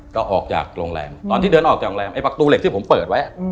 ก็ออกจากโรงแรมตอนที่เดินออกจากโรงแรมไอประตูเหล็กที่ผมเปิดไว้